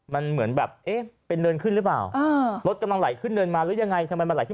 ถ้าเกิดว่าเนินมันลงเนี่ยรถก็ต้องไหล่ลงตามแรงน้มถวงโลก